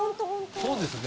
そうですね。